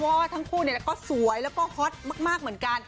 เพราะว่าทั้งคู่ก็สวยแล้วก็ฮอตมากเหมือนกัน